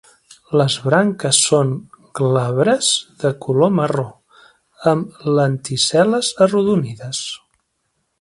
Les branques són glabres de color marró, amb lenticel·les arrodonides.